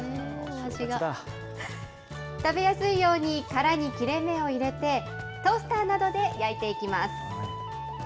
食べやすいように、殻に切れ目を入れて、トースターなどで焼いていきます。